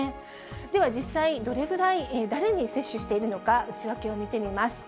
では実際、どれぐらい、誰に接種しているのか、内訳を見てみます。